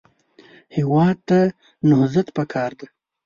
هېواد ته نهضت پکار دی